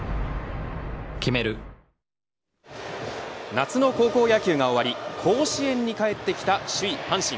夏の高校野球が終わり甲子園に帰ってきた首位、阪神。